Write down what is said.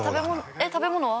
えっ食べ物は？